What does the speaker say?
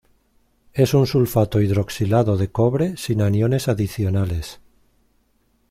Es un sulfato hidroxilado de cobre, sin aniones adicionales.